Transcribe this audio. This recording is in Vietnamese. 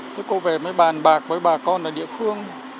thế cô về mới bàn bạc với bà con ở địa phương